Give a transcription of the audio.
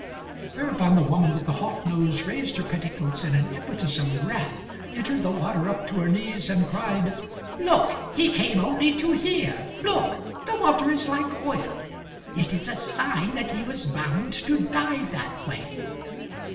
Thereupon the woman with the hawk nose raised her petticoats in an impetus of wrath, entered the water up to her knees, and cried: "Look! He came only to here. Look! The water is like oil. It is a sign that he was bound to die that way."